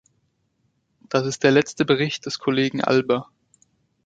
Das ist der letzte Bericht des Kollegen Alber.